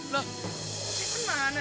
loh candy kemana